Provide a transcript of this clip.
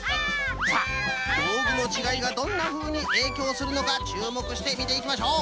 さあどうぐのちがいがどんなふうにえいきょうするのかちゅうもくしてみていきましょう。